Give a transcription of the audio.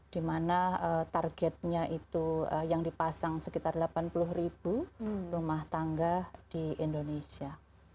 di mana targetnya itu yang dipasang sekitar delapan puluh ribu rumah tangga di indonesia